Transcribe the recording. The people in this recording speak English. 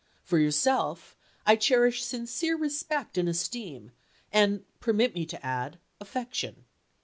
For yourself I cherish sincere respect and esteem, and, permit me to add, affection.